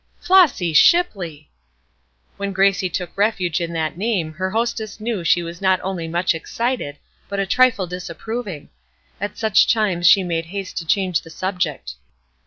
"Flossy Shipley!" When Gracie took refuge in that name her hostess knew she was not only much excited, but a trifle disapproving; at such times she made haste to change the subject.